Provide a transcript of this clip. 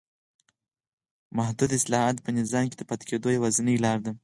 محدود اصلاحات په نظام کې د پاتې کېدو یوازینۍ لار ده.